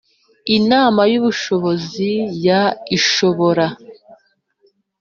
Inama y ubuyobozi ya unr ishobora